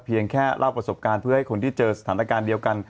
แค่เล่าประสบการณ์เพื่อให้คนที่เจอสถานการณ์เดียวกัน